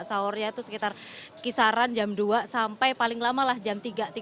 saurnya itu sekitar kisaran jam dua sampai paling lamalah jam tiga tiga puluh